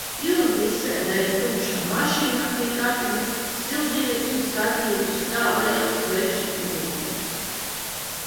Ilgi sēdēju tumšā mašīnā pie kapiem, sildījos un skatījos uz tālajām sveču uguntiņām.